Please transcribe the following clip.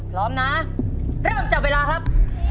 พร้อมนะเริ่มจับเวลาครับ